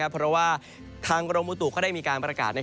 เพราะว่าทางกรมบุตุเขาได้มีการประกาศ